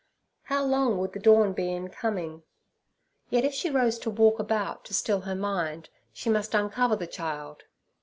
How long would the dawn be in coming? Yet if she rose to walk about to still her mind, she must uncover the child.